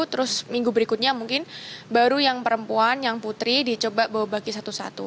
terus minggu berikutnya mungkin baru yang perempuan yang putri dicoba bawa bagi satu satu